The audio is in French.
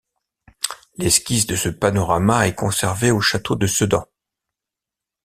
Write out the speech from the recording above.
L'esquisse de ce panorama est conservée au château de Sedan.